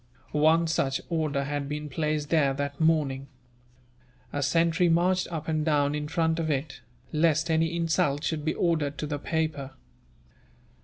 One such order had been placed there that morning. A sentry marched up and down in front of it, lest any insult should be offered to the paper.